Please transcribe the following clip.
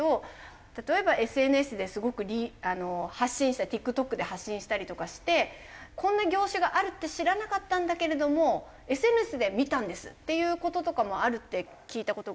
例えばＳＮＳですごく発信したりＴｉｋＴｏｋで発信したりとかしてこんな業種があるって知らなかったんだけれどもＳＮＳで見たんですっていう事とかもあるって聞いた事が。